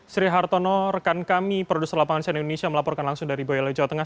sri hartono rekan kami produser lapangan sian indonesia melaporkan langsung dari boyolali jawa tengah